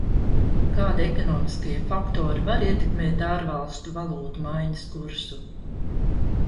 Kādi ekonomiskie faktori var ietekmēt ārvalstu valūtu maiņas kursu?